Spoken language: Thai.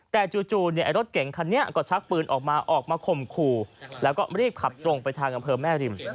แต่จู่รถเก่งคันนี้ก็ชักปืนออกมาออกมาข่มขู่แล้วก็รีบขับตรงไปทางอำเภอแม่ริม